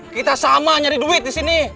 kita sama nyari duit disini